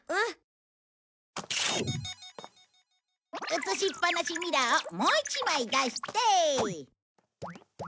うつしっぱなしミラーをもう一枚出して。